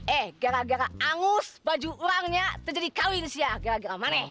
eh gara gara angus baju orangnya jadi kawin sih ya gara gara maneh